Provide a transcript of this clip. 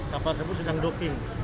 kapal sebut sedang doping